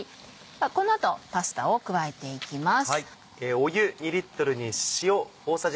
この後パスタを加えていきます。